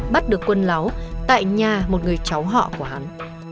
bắt được quân láo tại nhà một người cháu họ của hắn